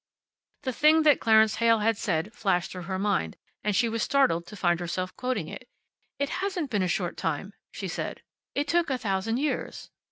The thing that Clarence Heyl had said flashed through her mind, and she was startled to find herself quoting it. "It hasn't been a short time," she said. "It took a thousand years."